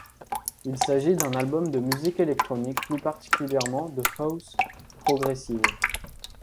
Il s'agit d'un album de musique électronique, plus particulièrement de house progressive.